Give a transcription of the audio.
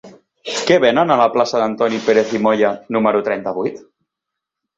Què venen a la plaça d'Antoni Pérez i Moya número trenta-vuit?